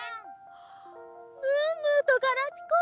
あムームーとガラピコ！